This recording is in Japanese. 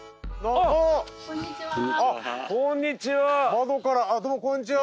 窓からどうもこんにちは。